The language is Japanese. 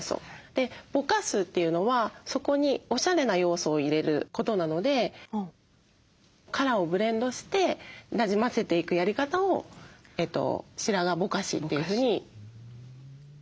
でぼかすというのはそこにおしゃれな要素を入れることなのでカラーをブレンドしてなじませていくやり方を白髪ぼかしというふうにご提案させて頂いてます。